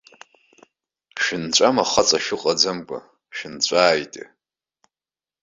Шәынҵәама хаҵа шәыҟаӡамкәа, шәынҵәааите!